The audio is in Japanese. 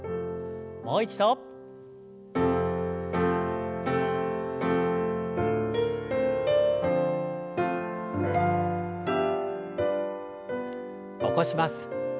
もう一度。起こします。